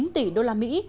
chín tỷ usd